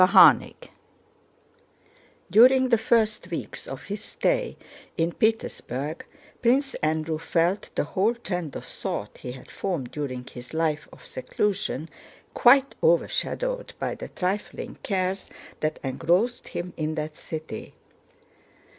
CHAPTER VI During the first weeks of his stay in Petersburg Prince Andrew felt the whole trend of thought he had formed during his life of seclusion quite overshadowed by the trifling cares that engrossed him in that city.